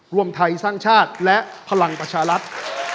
รวมไทยสร้างชาติและพลังประชารัฐ